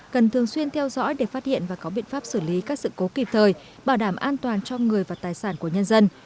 cần thường xuyên theo dõi để phát hiện và có biện pháp xử lý các sự cố kịp thời bảo đảm an toàn cho người và tài sản của nhân dân